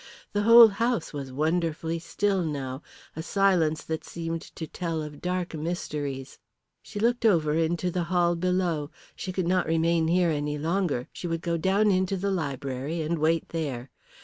The whole house was wonderfully still now, a silence that seemed to tell of dark mysteries. She looked over into the hall below. She could not remain here any longer. She would go down into the library and wait there.